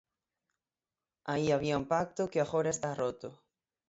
Aí había un pacto, que agora está roto.